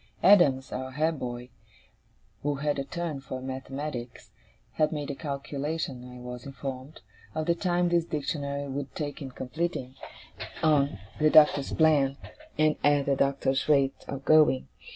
Adams, our head boy, who had a turn for mathematics, had made a calculation, I was informed, of the time this Dictionary would take in completing, on the Doctor's plan, and at the Doctor's rate of going.